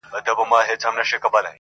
سړیتوب کي بس دولت ورته مِعیار دی,